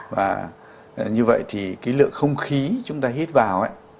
và như vậy thì cái lượng không khí chúng ta hít vào ấy